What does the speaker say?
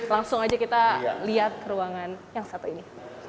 langsung aja kita lihat ke ruangan yang satu ini